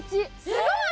すごい！